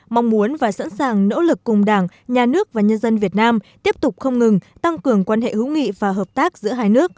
mong muốn và sẵn sàng nỗ lực cùng đảng nhà nước và nhân dân việt nam tiếp tục không ngừng tăng cường quan hệ hữu nghị và hợp tác giữa hai nước